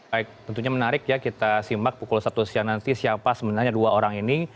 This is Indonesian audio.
baik tentunya menarik ya kita simak pukul satu siang nanti siapa sebenarnya dua orang ini